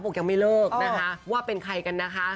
บอกยังไม่เลิกนะคะว่าเป็นใครกันนะคะ